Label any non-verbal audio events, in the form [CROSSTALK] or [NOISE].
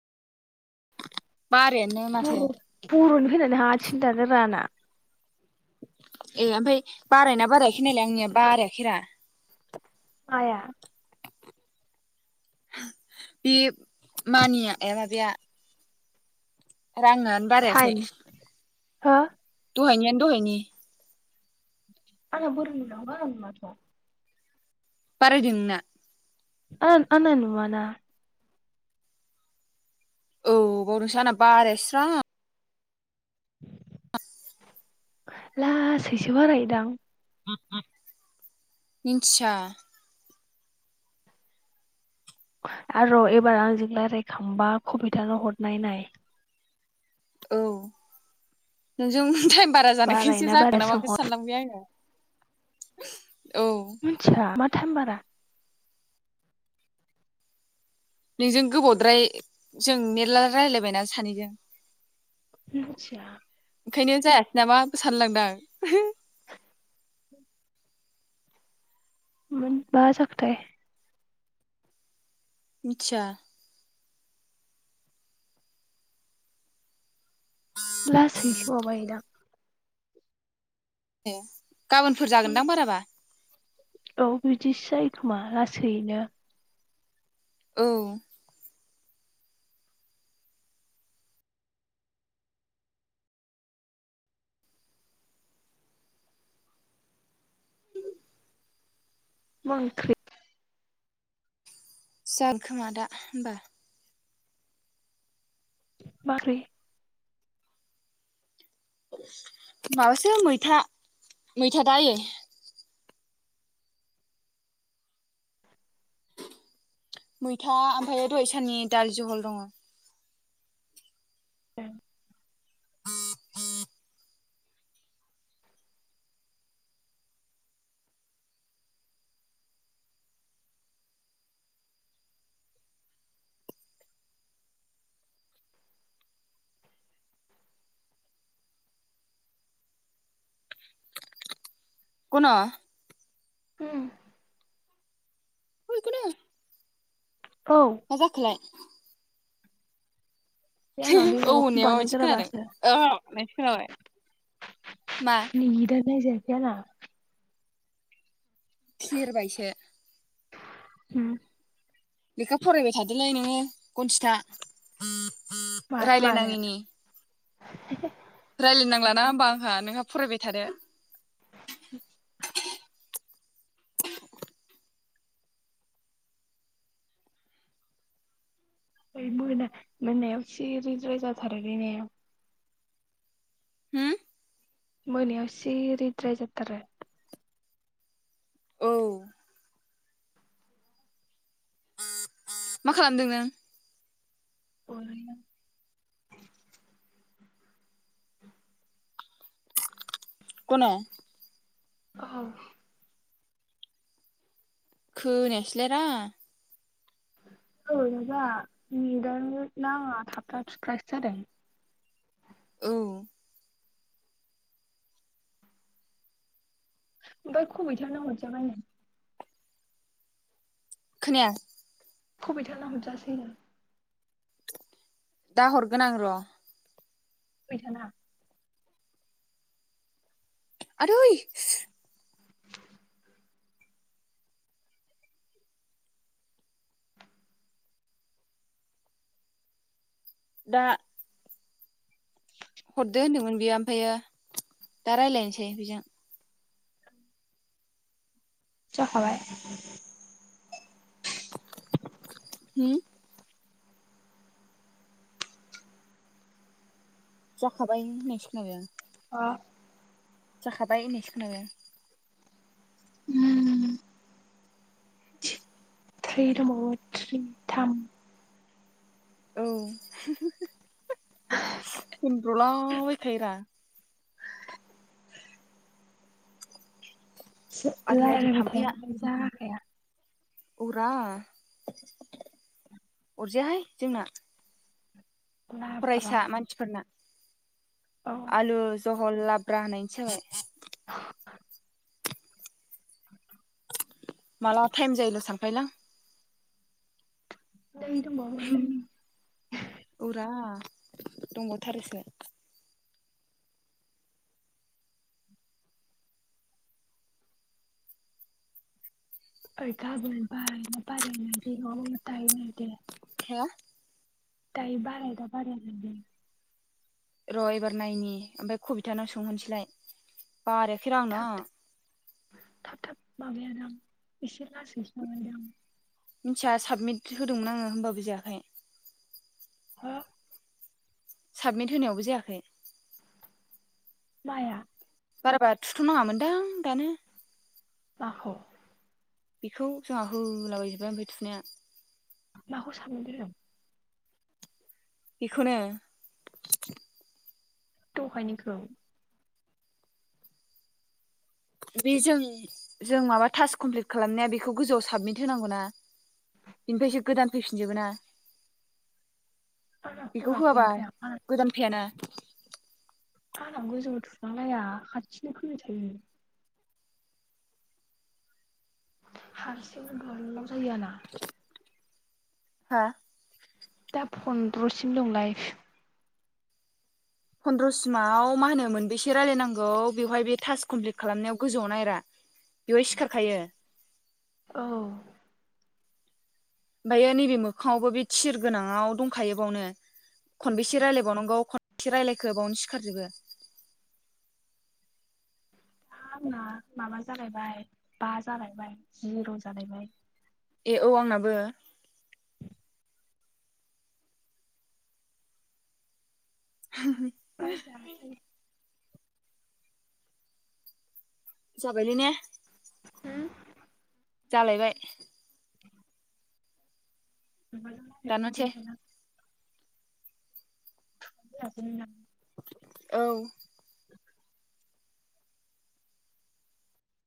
बारायानो माथो पुरु-पुरुनि फैनानै हारसिंनो दानजाबाय आंना ए ओमफ्राय बारायना बारायाखै नायलाय आंनिया बारायाखैरा आया बे मानिया ए माबाया रांआनो बारायाखै टाइम हो दहायनियानो दहायनि आंना बोरै नुनागौ आंना नुआ थ बारायदों नोंना आ आंना नुआना औ बावदोंसो आंना बारायस्रा [INAUDIBLE] लासैसो बारायोदां मिनथिया आर' एबार आंजों रायजलायखांबा कबिथानो हरनाय नाय औ नोंजों थाइम बारा जानायखायनोसो बारायोना जाखो बाराया ना माखो सोंहर सानलांबाय आङो [INAUDIBLE] मोनथिआ माथ थाइम बारा नोंजों गोबावद्राय जों मेरला रायलायबायना सानैजों मिथिया। ओंखायनो जायासै नामा बो सानलायदां मोन मा जाखोथाइ? मिथिया। लासैसो माबायोदां ए गाबोनफोर जागोनदां बाराबा? औ बिदिसो जायो खोमा लासैनो। औ मा ओंख्रि? जार खोमा दा होनबा। मारै? माबासो मैथा‌। मैथा दा आयै? मैथा ओमफायो दहाय साननि दालि जहल दङ। [INAUDIBLE] गन' होम ओय गन' औ मा जाखोलाय? बे आंना बे औ माबाखौ होननाया माबायदि खोनादों बानायगोराबासो अ होननायसो खोनाबाय। मा ने दा नो नायजाया [UNINTELLIGIBLE] थेरबायसो। होम लेखा फरायबाय थादोलै नोङो खनजिथा। मा मानो रायलायनाङिनि रायलायनांला ना होमबा आंहा नोंहा फरायबाय थादो। [INAUDIBLE] ओय मोना मोनायाव सिरिद्राय जाथारो बे ने? होम? मोनायाव सिरिद्राय जाथारो औ मा खालामदों नों? ओरैनो [INAUDIBLE] गन' औ खोनायासैलाय रा औ जाआ नेदा नो नाङा थाबथा थुबथासो जादों। औ ओमफाय खबिथाना हरजाबाय नो खोनाया खबिथा ना हदजासैनो। दा हरगोन आं र'। [UNINTELLIGIBLE] आदै दा हरदो होनदोंमोन बियो ओमफ्रायो दा रायलायनोसै बिजों जाखाबाय? हो? जाखाबाय होननायसो खोनाबाय आं। अ। जाखाबाय होनायसो खोनाबाय आं। उम। थ्रि दंबावो थ्रि थाम। औ होनब्र'लाबायखायो रा। सो आदि आदि रायलायबाय थाया नालाय जाखाया। अरा अरजायाहाय जोंना। लाब्रा फरायसा मानसिफोरना। औ आलु ज हल लाब्रा होनायसो जाबाय। [INAUDIBLE] मला थाइम जायोल' सानखायोलां नै दंबावो उम नै उरा। दंबावथारोसो। अय गाबोन बारनो बारिनो बेगाव दायनी दे। हा? दाय बाराय दा बारियाखै दे? र' एबार नायनि ओमफ्राय कबिथानाव सोंहरसैलाय। बारखेरा आंना। थाब-थाब माबायादां एसे लासैसो माबायो दां। मिथिया साबमिट होदोंमोन आङो होमबाबो जायाखै। हो साबमिट होनायावबो जायाखै। माया? बार बारा थुथ'नाङामोनदां दानो। माखौ? बेखौ जोंहा होलाबायजोबबाय ओमफ्राय थुनाया। माखौ साननो? बेखौनो। दहायनिखौ। बे जों-जों माबा टास्क कमप्लिट खालामनाया बेखौ गोजौआव साबमिट होनांगौ ना बेनिफ्रायसो गोदान फैफिनजोबो ना? आंना बेखौ होआखै होआबा ओमफ्राय गोदान फायाना। आंनाव गोजौ थुफांलाया हाथिनो फैबाय थायो। हारसिंनो गोलाव जायो आरो। हा? दा फन्द्र'सिम दं लाइफ। फन्द्रसिमाव मा होनोमोन बेसे रायलायनांगौ बेवहाय बे थास्क कमप्लिट खालामनायाव गोजौआव नाय रा। बेवाय सिखारखायो। औ ओमफायो नैबे मोखाङावबो बे थिर गोनाङाव दंखायो बावनो खनबेसे रायलायबावनांगौ खनबसे रायलायखो बावनो सिखारजोबो। दा आंना माबा जालायबाय बा जालायबाय जिर' जालायबाय। ए औ आंना बो। [INAUDIBLE] [UNINTELLIGIBLE] [INAUDIBLE] जालायबाय माबाजों दानो रायलायबाय से थानांगौ [UNINTELLIGIBLE] औ